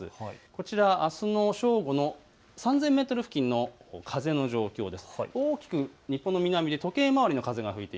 こちらはあす正午、３０００メートル付近の風の状況です。